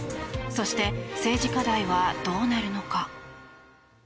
そして政治課題はどうなるのか。